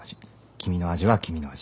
君の味は君の味